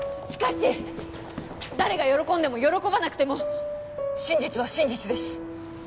しかし誰が喜んでも喜ばなくても真実は真実です。